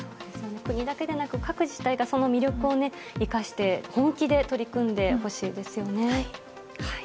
国だけでなく各自治体がその魅力を生かして、本気で取り組んでほしいですよね。